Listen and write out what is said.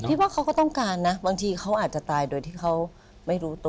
คิดว่าเขาก็ต้องการนะบางทีเขาอาจจะตายโดยที่เขาไม่รู้ตัว